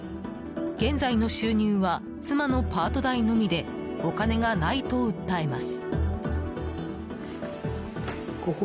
現在の収入は妻のパート代のみでお金がないと訴えます。